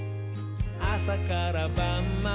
あさからばんまで」